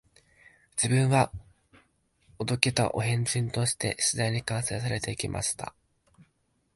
自分はお道化たお変人として、次第に完成されて行きました